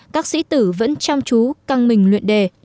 các sĩ tử vẫn chăm chú căng mình luyện đề